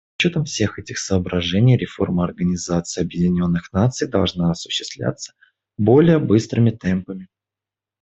С учетом всех этих соображений реформа Организации Объединенных Наций должна осуществляться более быстрыми темпами.